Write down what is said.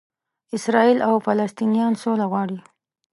اسراییل او فلسطنینان سوله غواړي.